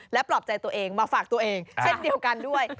ปลอบใจตัวเองมาฝากตัวเองเช่นเดียวกันด้วย